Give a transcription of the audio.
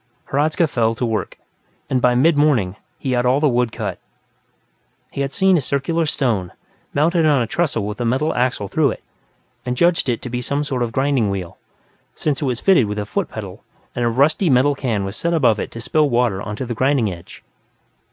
Hradzka fell to work, and by mid morning, he had all the wood cut. He had seen a circular stone, mounted on a trestle with a metal axle through it, and judged it to be some sort of a grinding wheel, since it was fitted with a foot pedal and a rusty metal can was set above it to spill water onto the grinding edge.